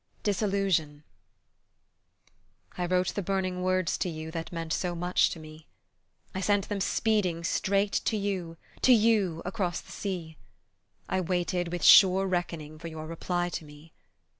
DISILLUSION I WROTE the burning words to you That meant so much to me. I sent them speeding straight to you, To you across the sea; I waited with sure reckoning For your reply to me.